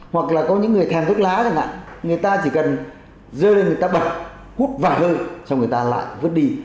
hoặc là có những người thèm thuốc lá người ta chỉ cần rơi lên người ta bật hút vào hơi xong người ta lại vứt đi